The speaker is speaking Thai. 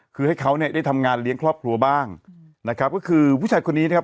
คือให้เขาเนี่ยได้ทำงานเลี้ยงครอบครัวบ้างนะครับก็คือผู้ชายคนนี้นะครับ